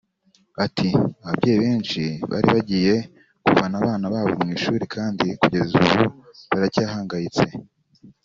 Ati”Ababyeyi benshi bari bagiye kuvana abana babo mu ishuri kandi kugeza n’ubu baracyahangayitse “